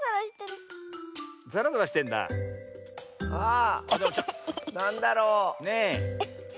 あなんだろう？ねえ。